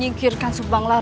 siap breakdown mereka